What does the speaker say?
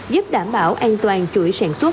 giúp đảm bảo an toàn chuỗi sản xuất